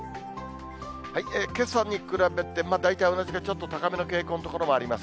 けさに比べて、まあ、大体同じかちょっと高めの傾向の所もあります。